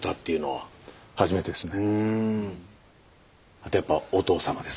あとやっぱお父様です。